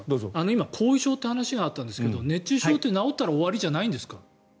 今、後遺症って話があったんですが熱中症って、治ったら終わりじゃないんですか。